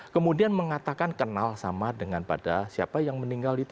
kemudian mengatakan kenal sama dengan pada siapa yang meninggal itu